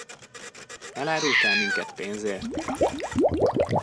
Elárultál minket pénzért?